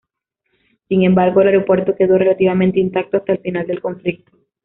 Sin embargo, el aeropuerto quedó relativamente intacto hasta el final del conflicto.